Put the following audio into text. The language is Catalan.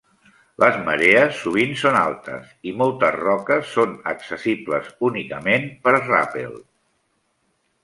Les marees sovint són altes, i moltes roques són accessibles únicament per ràpel.